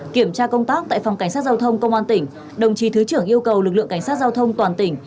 kiểm tra công tác tại phòng cảnh sát giao thông công an tỉnh đồng chí thứ trưởng yêu cầu lực lượng cảnh sát giao thông toàn tỉnh